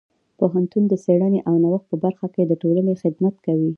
پوهنتون د څیړنې او نوښت په برخه کې د ټولنې خدمت کوي.